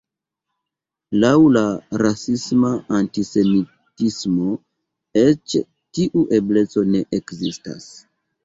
Laŭ la rasisma antisemitismo, eĉ tiu ebleco ne ekzistas.